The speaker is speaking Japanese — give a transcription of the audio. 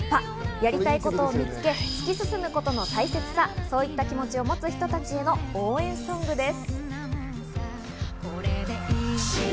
やりたいことを見つけ突き進むことの大切さ、そういった気持ちを持つ人たちの応援ソングです。